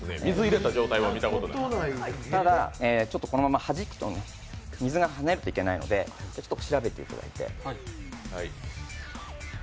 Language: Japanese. ただ、このまま弾くと水がはねるといけないのでちょっと調べていただいて。